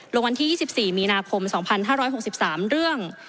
วันที่๒๔มีนาคม๒๕๖๓เรื่อง